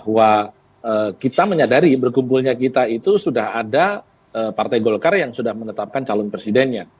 bahwa kita menyadari berkumpulnya kita itu sudah ada partai golkar yang sudah menetapkan calon presidennya